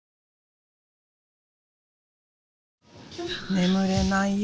眠れない夜。